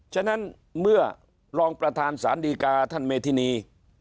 ฉะนั้นเมื่อรองประธานสารดีกาท่านเมธินี